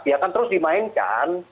dia akan terus dimainkan